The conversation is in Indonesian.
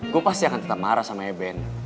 gue pasti akan tetap marah sama eben